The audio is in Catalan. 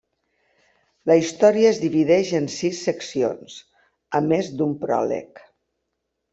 La història es divideix en sis seccions, a més d'un pròleg.